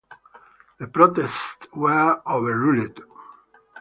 The protests were overruled.